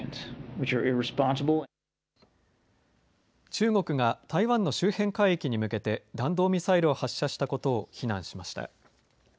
中国が台湾の周辺海域に向けて弾道ミサイルを発射したことを非難しました。